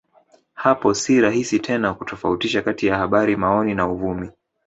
Hapo si rahisi tena kutofautisha kati ya habari maoni na uvumi